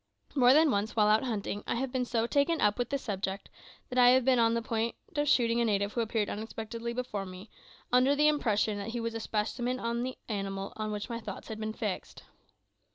More than once, while out hunting, I have been so taken up with this subject that I have been on the point of shooting a native who appeared unexpectedly before me, under the impression that he was a specimen of the animal on which my thoughts had been fixed.